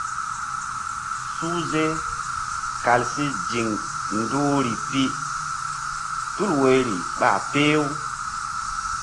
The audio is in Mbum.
Suhze kal si ziŋ duhri pi tul woyri ɓa peh-u.